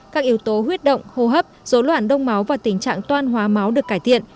các yếu tố huyết động hô hấp dối loạn đông máu và tình trạng toan hóa máu được cải thiện